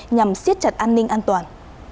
nhằm siết chặt an ninh an toàn